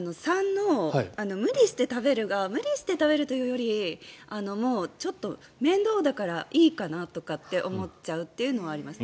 ３の無理して食べるが無理して食べるというよりちょっと面倒だからいいかなとかなって思っちゃうというのはあります。